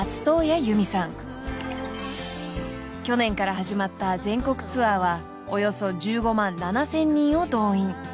［去年から始まった全国ツアーはおよそ１５万７，０００人を動員］